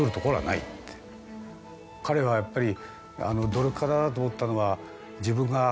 彼がやっぱり。